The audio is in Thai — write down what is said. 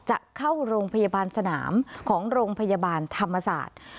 จะเข้าโรงพยาบาลสนามของโรงพยาบาลธรรมศาสตร์